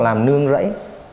làm nương rẫy